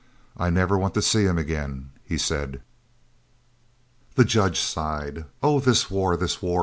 "I never want to see him again," he said. The Judge sighed, "Oh, this war! this war!"